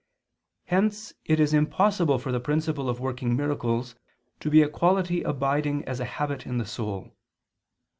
Hence it is impossible for the principle of working miracles to be a quality abiding as a habit in the soul.